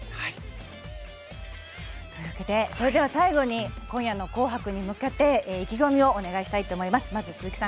それでは最後に今夜の「紅白」に向けて意気込みをお願いします。